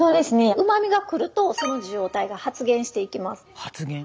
うま味が来るとその受容体が発現していきます。